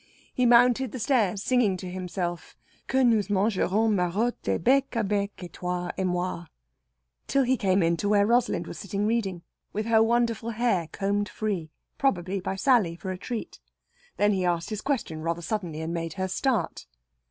He mounted the stairs singing to himself, "Que nous mangerons Marott e, Bec à bec et toi et moi," till he came in to where Rosalind was sitting reading, with her wonderful hair combed free probably by Sally for a treat. Then he asked his question rather suddenly, and it made her start.